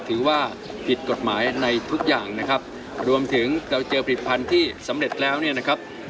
ถือว่าผิดกฎหมายในทุกอย่างนะครับรวมถึงเราเจอผลิตภัณฑ์ที่สำเร็จแล้วเนี่ยนะครับ